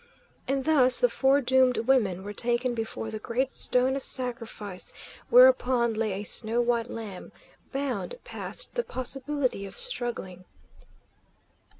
And thus the foredoomed women were taken before the great stone of sacrifice, whereupon lay a snow white lamb, bound past the possibility of struggling.